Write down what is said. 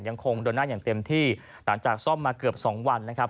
ยังคงเดินหน้าอย่างเต็มที่หลังจากซ่อมมาเกือบสองวันนะครับ